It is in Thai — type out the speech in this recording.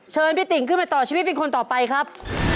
พี่ติ๋งขึ้นมาต่อชีวิตเป็นคนต่อไปครับ